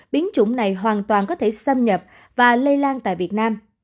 biến chủng này hoàn toàn có thể xâm nhập và lây lan tại việt nam